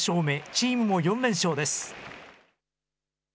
チームも４連勝です。